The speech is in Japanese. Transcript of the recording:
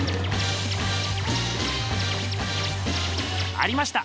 ありました。